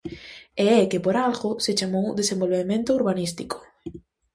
E é que por algo se chamou desenvolvemento urbanístico.